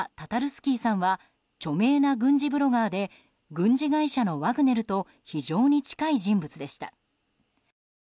スキーさんは著名な軍事ブロガーで軍事会社のワグネルと非常に近い人物でした。